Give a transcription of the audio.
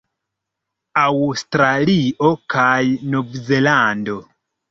Aŭstralio kaj Novzelando